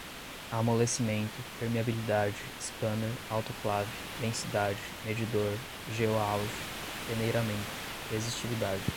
amolecimento, permeabilidade, scanner, autoclave, densidade, medidor, geoauge, peneiramento, resistividade